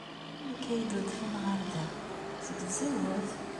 Amek ay d-udfen ɣer da? Seg tzewwut.